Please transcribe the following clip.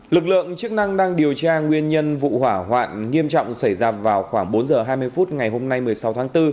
lực lượng chức năng đang điều tra nguyên nhân vụ hỏa hoạn nghiêm trọng xảy ra vào khoảng bốn h hai mươi phút ngày hôm nay một mươi sáu tháng bốn